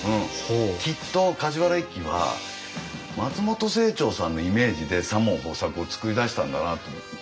きっと梶原一騎は松本清張さんのイメージで左門豊作を作り出したんだなと思って。